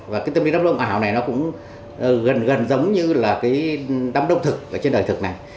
và cái tâm lý đám đông ảo này nó cũng gần gần giống như là cái đám đông thực ở trên đời thực này